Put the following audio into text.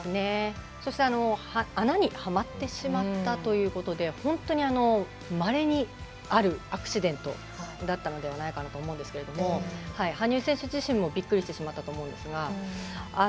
そして穴にはまってしまったということで本当にまれにあるアクシデントだったのではないかと思うんですけれども羽生選手自身もびっくりしてしまったと思うんですが。